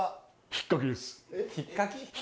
ひっかき？